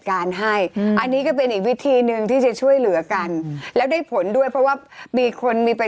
คนไหนพอมีก็อย่าไปเอา